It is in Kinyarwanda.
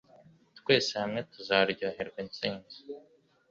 Twese hamwe tuzaryoherwa intsinzi